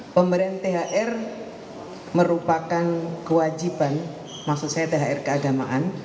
pemberian thr merupakan kewajiban maksud saya thr keagamaan